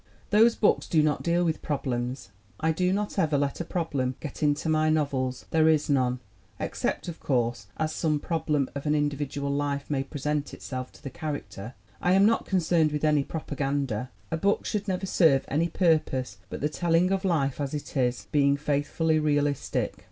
Those books do not deal with problems. I do not ever let a problem get into my novels there is none, except, of course, as some problem of an individual life may present itself to the character. I am not concerned with any propaganda. A book should never serve any purpose but the telling of life as it is being faithfully realistic.